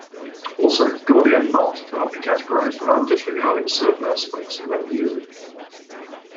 Also, Gordian Knot cannot be categorized without disregarding certain aspects of their music.